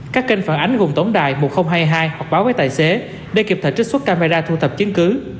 các kênh phản ánh gồm tổng đài một nghìn hai mươi hai hoặc báo với tài xế để kịp thời trích xuất camera thu thập chứng cứ